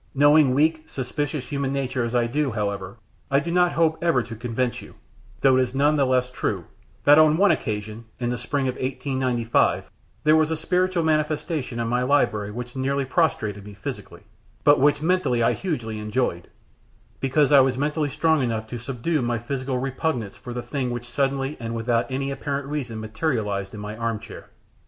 Knowing weak, suspicious human nature as I do, however, I do not hope ever to convince you though it is none the less true that on one occasion, in the spring of 1895, there was a spiritual manifestation in my library which nearly prostrated me physically, but which mentally I hugely enjoyed, because I was mentally strong enough to subdue my physical repugnance for the thing which suddenly and without any apparent reason materialized in my arm chair.